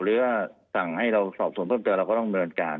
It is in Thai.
หรือว่าสั่งให้เราสอบส่วนเพิ่มเติมเราก็ต้องดำเนินการ